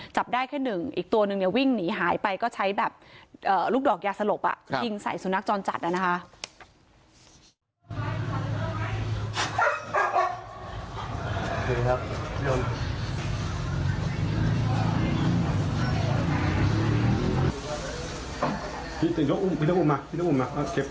จับได้แค่หนึ่งอีกตัวนึงเนี่ยวิ่งหนีหายไปก็ใช้แบบลูกดอกยาสลบยิงใส่สุนัขจรจัดนะคะ